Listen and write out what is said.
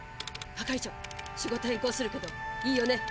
係長仕事変更するけどいいよね？